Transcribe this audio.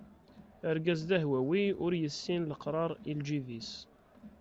Argaz d ahwawi ur yessin leqrar i lǧib-is.